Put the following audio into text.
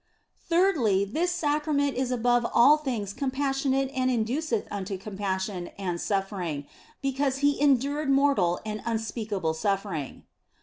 Thirdly, this Sacrament is above all things com passionate and induceth unto compassion and suffering, because He endured mortal and unspeakable suffering.